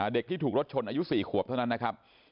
เด็กที่ถูกรถชนอายุ๔ขวบเท่านั้นนะครับ